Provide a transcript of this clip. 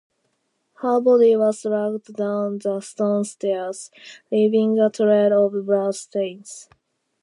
Her body was dragged down the stone stairs, leaving a trail of blood stains.